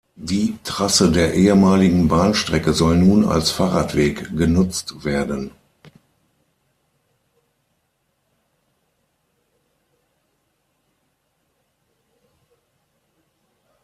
Die Trasse der ehemaligen Bahnstrecke soll nun als Fahrradweg genutzt werden.